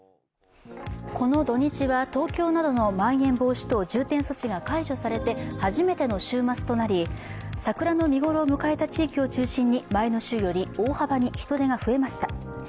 この土日は、東京などのまん延防止等重点措置が解除されて初めての週末となり桜の見頃を迎えた地域を中心に前の週より大幅に人出が増えました。